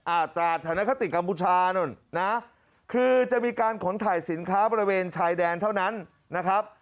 ตราดธนคติกัมพูชานู่นนะคือจะมีการขนถ่ายสินค้าบริเวณชายแดนเท่านั้นนะครับ